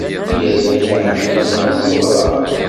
Yerna kerhen-iyi am qeḍran.